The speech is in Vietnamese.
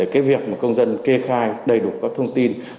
cái việc mà công dân kê khai đầy đủ các thông tin